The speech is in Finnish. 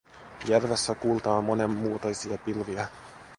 Järvessä kuultaa monenmuotoisia pilviä.